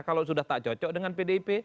kalau sudah tak cocok dengan pdip